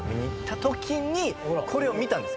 これを見たんです。